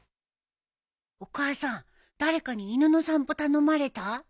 お母さん誰かに犬の散歩頼まれた？